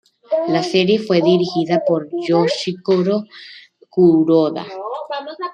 La serie fue dirigida por Yoshihiro Kuroda.